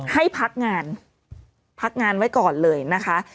ให้พักงานพักงานไว้ก่อนเลยนะคะ